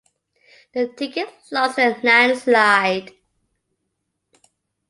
The ticket lost in a landslide.